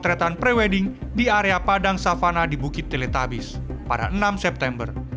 dan keteretan prewedding di area padang savana di bukit teletabis pada enam september